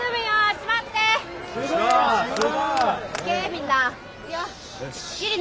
よし！